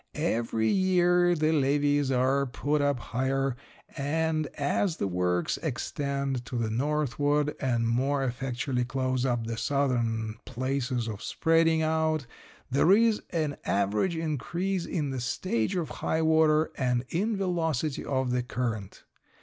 Every year the levees are put up higher, and as the works extend to the northward and more effectually close up the southern places of spreading out there is an average increase in the stage of high water and in velocity of the current.